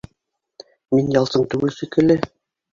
Мин ялсың түгел шикелле.